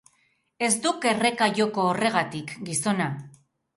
Ez duk erreka joko horregatik, gizona.